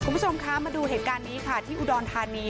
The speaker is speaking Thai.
คุณผู้ชมคะมาดูเหตุการณ์นี้ค่ะที่อุดรธานี